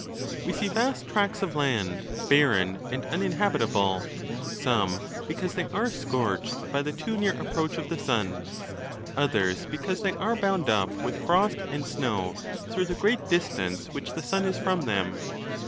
We see vast tracts of land barren and uninhabi table; some, because they are scorched by the too near approach of the sun ; others, because they are bound up with frost and snow, through the great distance which the sun is from them.